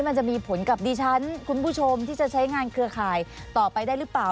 มันจะมีผลกับดิฉันคุณผู้ชมที่จะใช้งานเครือข่ายต่อไปได้หรือเปล่า